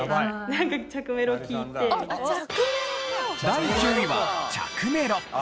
第９位は着メロ。